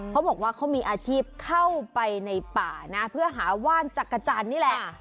เขาบอกว่าเขามีอาชีพเข้าไปในป่านะเพื่อหาว่านจักรจันทร์นี่แหละ